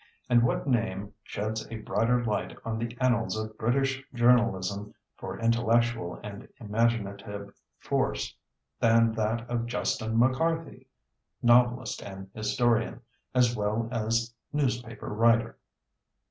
And what name sheds a brighter light on the annals of British journalism for intellectual and imaginative force than that of Justin MacCarthy, novelist and historian, as well as newspaper writer?